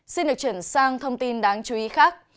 xin được chuyển sang thông tin đáng chú ý khác